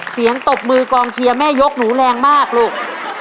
ตบมือกองเชียร์แม่ยกหนูแรงมากลูก